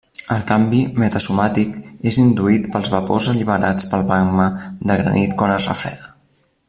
El canvi metasomàtic és induït pels vapors alliberats pel magma de granit quan es refreda.